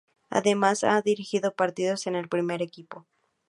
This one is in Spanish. Además, ha dirigido partidos en el primer equipo.